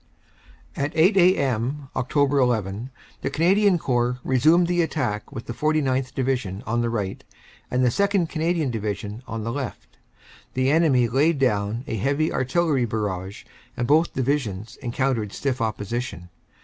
"At 8 a.m., Oct. 11, the Canadian Corps resumed the attack with the 49th. Division on the right and the 2nd. Canadian Division on the left. The enemy laid down a heavy Artillery barrage and both Divisions encountered stiff opposition.